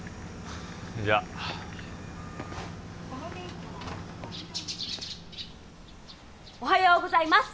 じゃおはようございます！